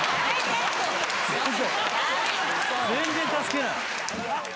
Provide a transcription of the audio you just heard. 全然助けない！